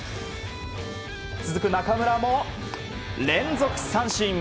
続く中村も連続三振。